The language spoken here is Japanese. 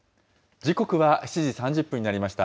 時刻は７時３０分になりました。